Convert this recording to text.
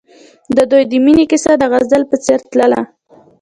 د دوی د مینې کیسه د غزل په څېر تلله.